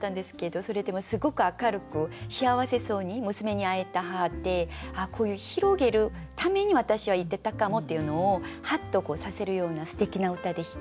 それでもすごく明るく幸せそうに娘に会えた母ってああこういう広げるために私は行ってたかもっていうのをハッとさせるようなすてきな歌でした。